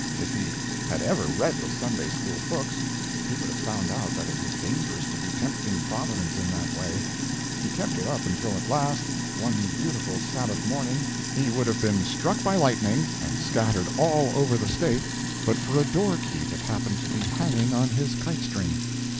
If he had ever read the Sunday School books he would have found out that it was dangerous to be tempting Providence in that way. He kept it up until at last, one beautiful Sabbath morning, he would have been struck by lightning and scattered all over the State but for a door key that happened to be hanging on his kite string.